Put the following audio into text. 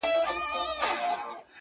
ما ستا لپاره په خزان کي هم کرل گلونه